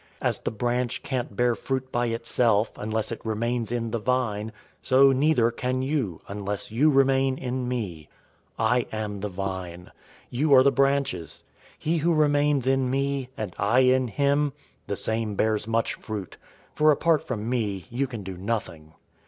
As the branch can't bear fruit by itself, unless it remains in the vine, so neither can you, unless you remain in me. 015:005 I am the vine. You are the branches. He who remains in me, and I in him, the same bears much fruit, for apart from me you can do nothing.